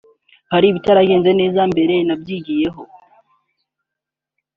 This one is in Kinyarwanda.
Hari ibitaragenze neza mbere nabyigiyeho